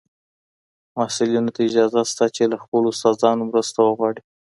محصلینو ته اجازه شته چي له خپلو استادانو مرسته وغواړي.